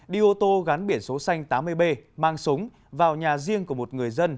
đi ô tô gắn biển số xanh tám mươi b mang súng vào nhà riêng của một người dân